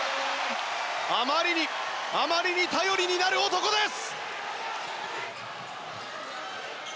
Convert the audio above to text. あまりに頼りになる男です！